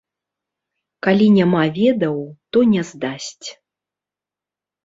Калі няма ведаў, то не здасць.